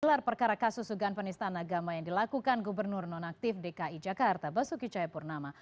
gelar perkara kasus sugan penistaan agama yang dilakukan gubernur nonaktif dki jakarta basuki cahayapurnama